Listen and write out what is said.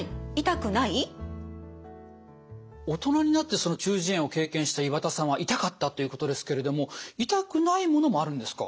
大人になってその中耳炎を経験した岩田さんは痛かったということですけれども痛くないものもあるんですか？